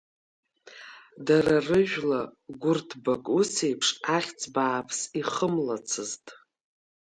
Дара рыжәла, Гәырҭбак усеиԥш ахьӡ бааԥс ихымлацызт.